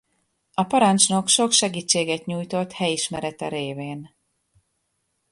A parancsnok sok segítséget nyújtott helyismerete révén.